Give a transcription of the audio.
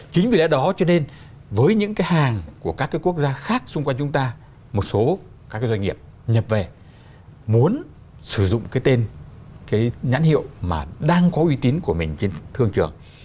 chính vì lẽ đó cho nên với những cái hàng của các cái quốc gia khác xung quanh chúng ta một số các cái doanh nghiệp nhập về muốn sử dụng cái tên cái nhãn hiệu mà đang có uy tín của mình trên thương trường